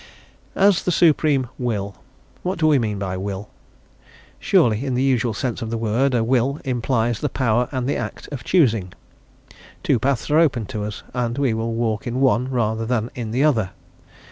As the Supreme Will. What do we mean by "will?" Surely, in the usual sense of the word, a will implies the power and the act of choosing. Two paths are open to us, and we will to walk in one rather than in the other.